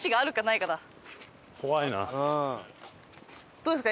どうですか？